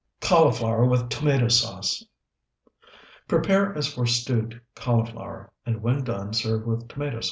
CAULIFLOWER WITH TOMATO SAUCE Prepare as for stewed cauliflower, and when done serve with tomato sauce.